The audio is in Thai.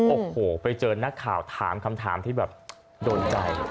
โอ้โหไปเจอนักข่าวถามคำถามที่แบบโดนใจ